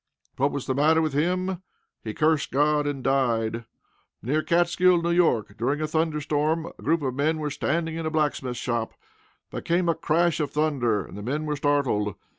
What was the matter with him? He cursed God, and died! Near Catskill, N.Y., during a thunder storm, a group of men were standing in a blacksmith shop. There came a crash of thunder, and the men were startled.